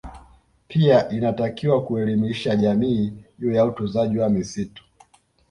Pia inatakiwa kuelimisha jamii juu ya utunzaji wa misitu